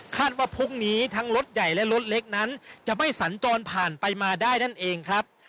ว่าพรุ่งนี้ทั้งรถใหญ่และรถเล็กนั้นจะไม่สัญจรผ่านไปมาได้นั่นเองครับ